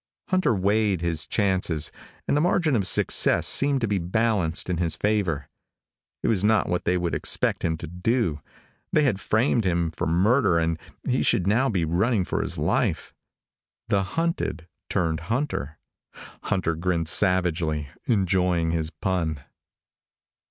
Hunter weighed his changes, and the margin of success seemed to be balanced in his favor. It was not what they would expect him to do. They had framed him for murder and he should now be running for his life. The hunted turned hunter. Hunter grinned savagely, enjoying his pun.